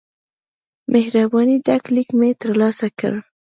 مهربانی ډک لیک مې ترلاسه کړ.